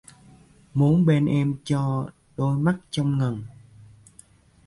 Muốn bên em cho đôi mắt trong ngần